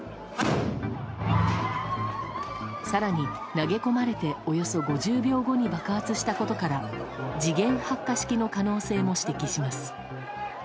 更に投げ込まれておよそ５０秒後に爆発したことから時限発火式の可能性も指摘します。